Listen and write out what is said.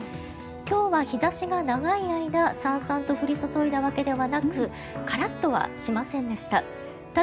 今日は日差しが長い間、さんさんと降り注いだわけではなくカラッとはしませんでした。